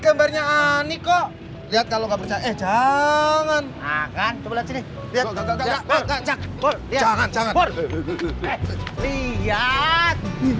gambarnya ani kok lihat kalau nggak percaya eh jangan akan coba lihat sini lihat lihat lihat